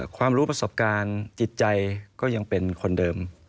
ความรู้ประสบการณ์จิตใจก็ยังเป็นคนเดิม